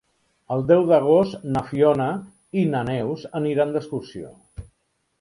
El deu d'agost na Fiona i na Neus aniran d'excursió.